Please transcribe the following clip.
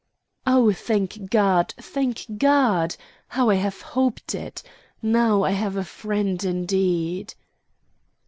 "Oh, thank God, thank God! How I have hoped it! Now I have a friend indeed."